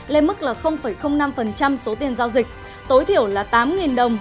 lên mức là năm số tiền giao dịch tối thiểu là tám đồng